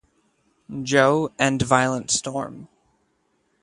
Joe" and "Violent Storm".